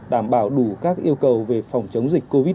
đảm bảo đủ các yêu cầu về phòng chống dịch covid một mươi chín